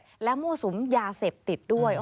ห่างเพศและมั่วสุมยาเสพติดด้วย